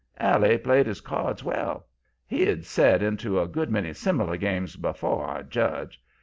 "Allie played his cards well; he'd set into a good many similar games afore, I judge.